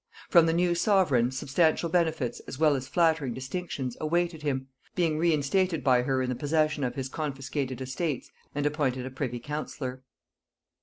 From the new sovereign substantial benefits as well as flattering distinctions awaited him, being reinstated by her in the possession of his confiscated estates and appointed a privy councillor.